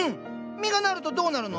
実がなるとどうなるの？